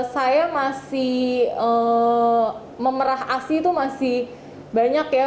saya masih memerah asi itu masih banyak ya